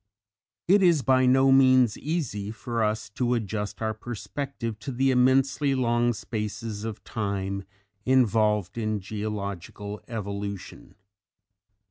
It is by no means easy for us to adjust our perspective to the immensely long spaces of time involved in geological evolution.